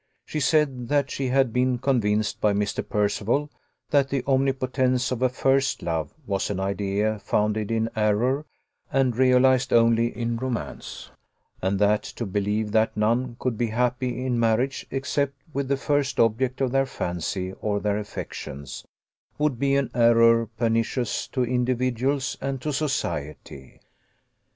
She said, that she had been convinced by Mr. Percival, that the omnipotence of a first love was an idea founded in error, and realized only in romance; and that to believe that none could be happy in marriage, except with the first object of their fancy or their affections, would be an error pernicious to individuals and to society.